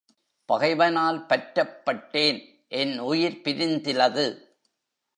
பகைவனால் பற்றப்பட்டேன் என் உயிர் பிரிந்திலது.